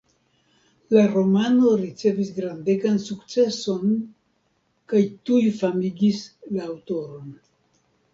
La romano ricevis grandegan sukceson, kaj tuj famigis la aŭtoron.